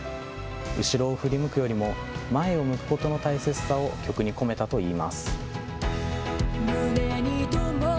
後ろを振り向くよりも、前を向くことの大切さを曲に込めたと言います。